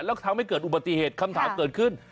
แล้วทำให้เกิดอุบัติเหตุคำถามเกิดขึ้น